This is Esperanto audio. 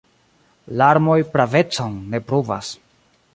Larmoj pravecon ne pruvas.